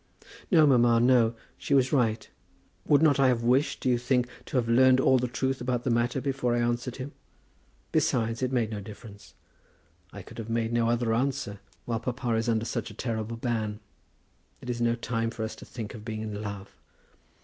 "No, mamma; no; she was right. Would not I have wished, do you think, to have learned all the truth about the matter before I answered him? Besides, it made no difference. I could have made no other answer while papa is under such a terrible ban. It is no time for us to think of being in love.